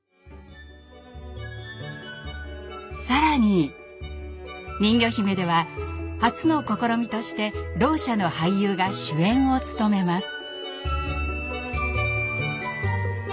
更に「にんぎょひめ」では初の試みとしてろう者の俳優が主演を務めます。